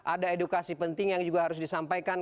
ada edukasi penting yang juga harus disampaikan